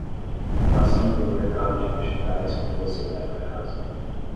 Passando pelo mercado de vegetais quando você vai para casa